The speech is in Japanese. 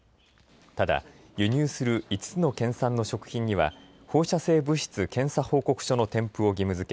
ただ輸入する５つの県産の食品には放射性物質検査報告書の添付を義務